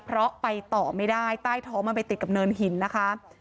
เพราะไปต่อไม่ได้ใต้ท้องมันไปติดกับเนินหินนะคะ